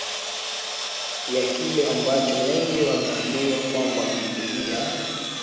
ya kile ambacho wengi wameambiwa kwamba Biblia